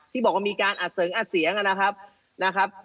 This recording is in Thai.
ที่บอกว่ามีการอัดเสริงอัดเสียงนะครับนะครับ